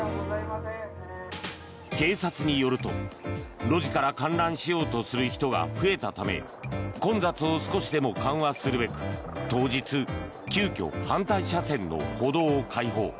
警察によると路地から観覧しようとする人が増えたため混雑を少しでも緩和するべく当日、急きょ反対車線の歩道を開放。